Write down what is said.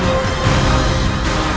kau tidak bisa menang